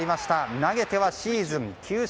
投げてはシーズン９勝。